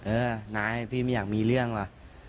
เออนายพี่ไม่อยากมีเรื่องว่ะ